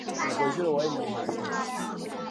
该庙是科尔沁左翼中旗格鲁派的发祥地。